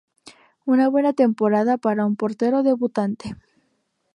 Una buena temporada para un portero debutante.